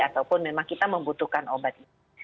ataupun memang kita membutuhkan obat